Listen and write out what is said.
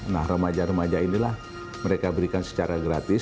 nah remaja remaja inilah mereka berikan secara gratis